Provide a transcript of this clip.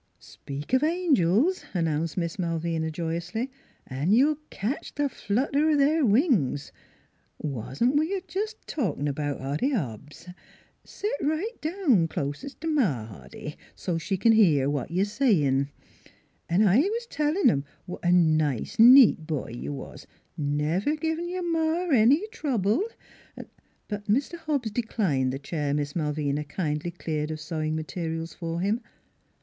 " Speak of angels," announced Miss Malvina NEIGHBORS 289 joyously, " an' you ketch th' flutter o' their wings. ... Wa'n't we jest a talkin' about Hoddy Hobbs? Set right down clost t' Ma, Hoddy, so 's she c'n hear what you're sayin'. An' I was tellin' 'em what a nice, neat boy you was, never givin' your ma any trouble, an' " But Mr. Hobbs declined the chair Miss Mal vina kindly cleared of sewing materials for him.